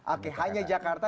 oke hanya jakarta